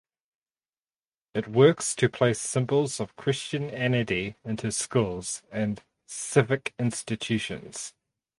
It works to place symbols of Christianity into schools and civic institutions.